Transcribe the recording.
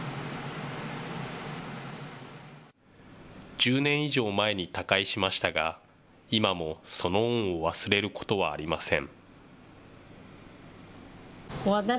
１０年以上前に他界しましたが、今もその恩を忘れることはありません。